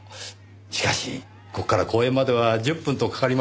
しかしここから公園までは１０分とかかりません。